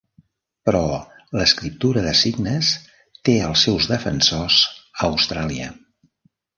Però l'escriptura de signes té els seus defensors a Austràlia.